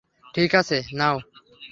ঠিক আছে, নাও।